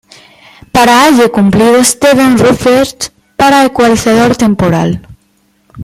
Para Halle cumplido Steven Ruprecht para ecualizador temporal